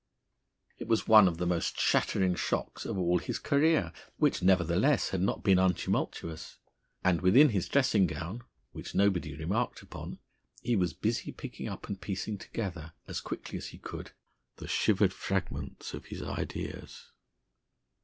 It was one of the most shattering shocks of all his career, which, nevertheless, had not been untumultuous. And within his dressing gown which nobody remarked upon he was busy picking up and piecing together, as quickly as he could, the shivered fragments of his ideas.